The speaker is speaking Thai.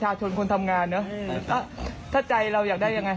เซรกริงดังเนี่ย